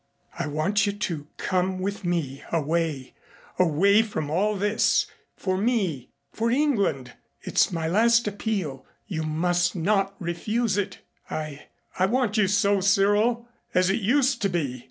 "I want you to come with me away away from all this for me for England. It's my last appeal you must not refuse it. I I want you so, Cyril, as it used to be."